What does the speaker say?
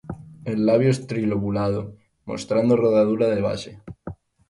El labio es trilobulado, mostrando rodadura de base.